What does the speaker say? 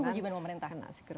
itu kejadian pemerintah